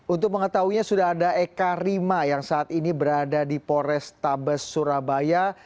untuk mengetahuinya sudah ada eka rima yang saat ini berada di polrestabes surabaya